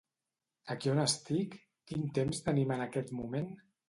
Aquí on estic, quin temps tenim en aquest moment?